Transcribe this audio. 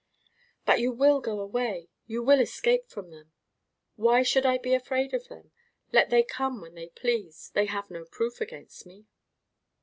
"But you will go away—you will escape from them?" "Why should I be afraid of them? Let them come when they please, they have no proof against me."